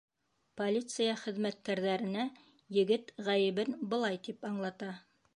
Полиция хеҙмәткәрҙәренә егет ғәйебен былай тип аңлата: